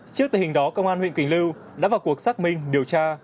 trước tình hình đó công an huyện quỳnh lưu đã vào cuộc xác minh điều tra